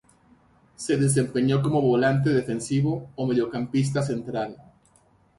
Se desempeñó como volante defensivo o mediocampista central.